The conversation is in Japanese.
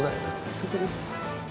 そこです。